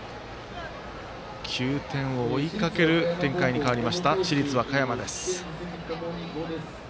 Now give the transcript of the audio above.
９点を追いかける展開に変わりました市立和歌山です。